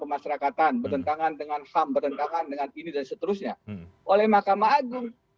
pemasrakatan bertentangan dengan ham bertentangan dengan ini dan seterusnya oleh mahkamah agung